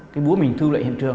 cái búa mình thư lệ hiện trường